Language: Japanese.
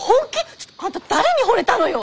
ちょっとあんた誰にほれたのよ！